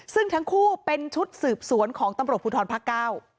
ซึ่งทั้งคู่เป็นชุดสืบสวนของตำรวจภูทรภาคเก้า